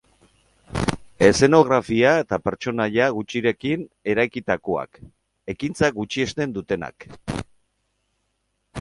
Eszenografia eta pertsonaia gutxirekin eraikitakoak, ekintza gutxiesten dutenak.